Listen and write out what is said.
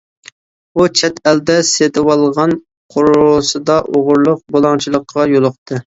ئۇ چەت ئەلدە سېتىۋالغان قورۇسىدا ئوغرىلىق-بۇلاڭچىلىققا يولۇقتى.